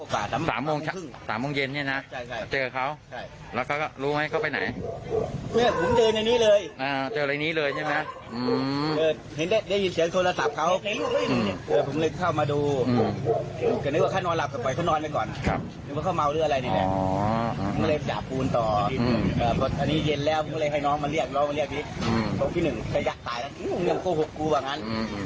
เพราะพี่หนึ่งก็ยักษ์ตายแล้วยังโคหกกูแบบนั้น